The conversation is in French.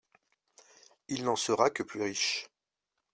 Il n’en sera que plus riche.